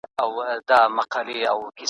تعليم د ارزښتونو انتقال کوي.